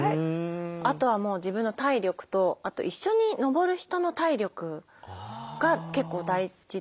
あとはもう自分の体力とあと一緒に登る人の体力が結構大事ですね。